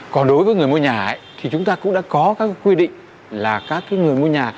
còn đối với người mua nhà thì chúng ta cũng đã có các quy định là các người mua nhà